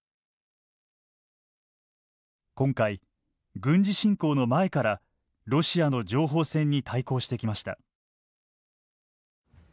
今回軍事侵攻の前からロシアの情報戦に対抗してきました。